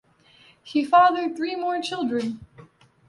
He fathered three more children.